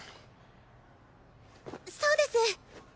そうです！